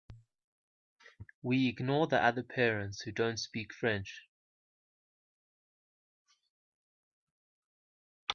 We ignore the other parents who don’t speak French.